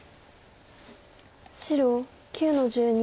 白９の十二。